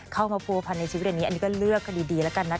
เข้ามาภูพันธ์ในชีวิตอย่างนี้อันนี้ก็เลือกกันดีแล้วกันนะคะ